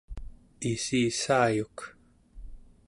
ississaayuk